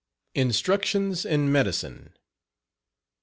INSTRUCTIONS IN MEDICINE.